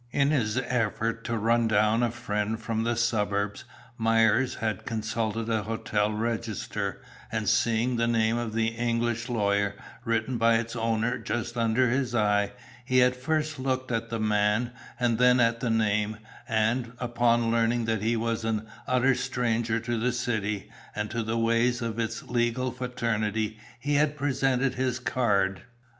In his efforts to run down a friend from the suburbs, Myers had consulted a hotel register, and seeing the name of the English lawyer, written by its owner just under his eye, he had first looked at the man, and then at the name, and, upon learning that he was an utter stranger to the city, and to the ways of its legal fraternity, he had presented his card.